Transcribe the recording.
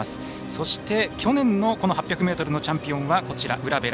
そして、去年の８００ｍのチャンピオンは卜部蘭。